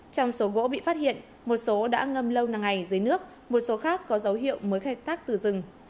trong số gỗ bị phát hiện một số đã ngâm lâu năm ngày dưới nước một số khác có dấu hiệu mới khai thác từ rừng